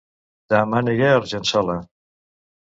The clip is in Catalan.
Dema aniré a Argençola